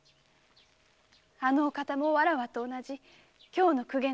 あのお方もわらわと同じ京の公家の出。